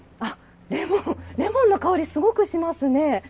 レモンの香り、すごくしますね。